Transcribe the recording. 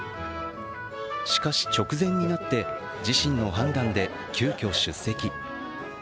しかし直前になって自身の判断で急きょ出席。